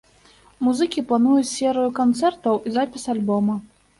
Музыкі плануюць серыю канцэртаў і запіс альбома.